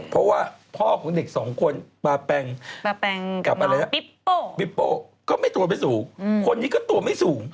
เพราะว่าพ่อของเด็กสองคนบาแปงกับอะไรนะปิ๊ปโป้ก็ไม่ตัวไม่สูงคนนี้ก็ตัวไม่สูง